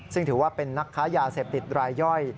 ซึ่งถือว่าเป็นนักค้ายาเสพติดรายย่อย